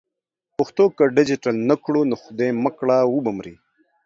پښتو که ډیجیټل نه کړو نو خدای مه کړه و به مري.